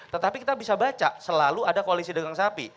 tetapi kita bisa baca selalu ada koalisi dagang sapi